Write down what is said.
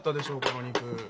この肉。